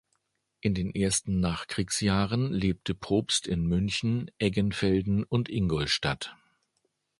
In den ersten Nachkriegsjahren lebte Probst in München, Eggenfelden und Ingolstadt.